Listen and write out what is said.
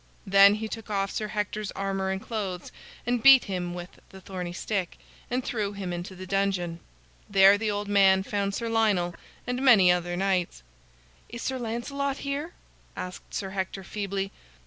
Then he took off Sir Hector's armor and clothes, and beat him with the thorny stick, and threw him into the dungeon. There the old man found Sir Lionel and many other knights. "Is Sir Lancelot here?" asked Sir Hector, feebly.